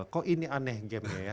kok ini aneh gamenya ya